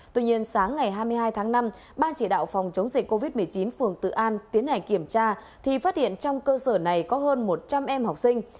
tuy nhiên sáng ngày hai mươi hai tháng năm ban chỉ đạo phòng chống dịch covid một mươi chín phường tự an tiến hành kiểm tra thì phát hiện trong cơ sở này có hơn một trăm linh em học sinh